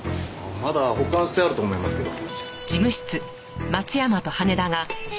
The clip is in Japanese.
まだ保管してあると思いますけど。